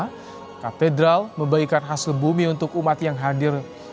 karena katedral membagikan hasil bumi untuk umat yang hadir